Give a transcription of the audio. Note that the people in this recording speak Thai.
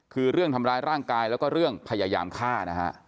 คือเรื่องทำร้ายร่างกายแล้วก็เรื่องพยายามฆ่านะฮะ